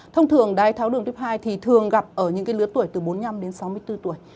thông thường đái tháo đường tuyếp hai thì thường gặp ở những lứa tuổi từ bốn mươi năm đến sáu mươi bốn tuổi